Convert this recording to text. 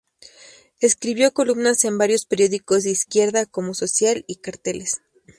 Escribió columnas en varios periódicos de izquierda, como "Social", y "Carteles".